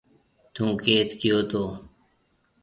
ٿُون ڪيٿ گيو تو